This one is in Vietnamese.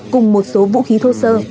cùng một số vũ khí thô sơ